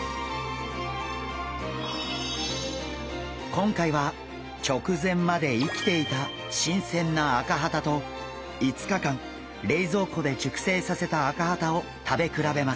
今回は直前まで生きていた新鮮なアカハタと５日間冷蔵庫で熟成させたアカハタを食べ比べます。